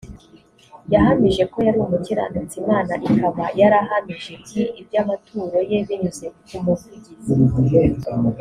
yahamijwe ko yari umukiranutsi imana ikaba yarahamije g iby amaturo ye binyuze kumuvugizi